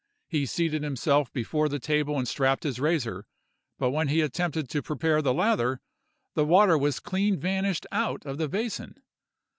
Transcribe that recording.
He seated himself before the table and strapped his razor, but when he attempted to prepare the lather, the water was clean vanished out of the basin.